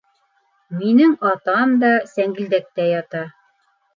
Минең атам да сәңгелдәктә ята...